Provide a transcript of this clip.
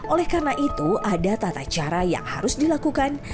oleh karena itu ada tata cara yang harus dilakukan